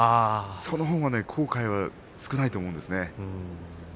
そのほうが後悔は少ないと思いますよ。